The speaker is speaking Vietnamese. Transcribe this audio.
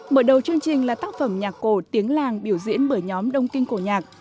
mở đầu chương trình là tác phẩm nhạc cổ tiếng làng biểu diễn bởi nhóm đông kinh cổ nhạc